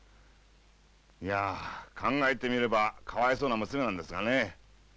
いや考えてみればかわいそうな娘なんですがね。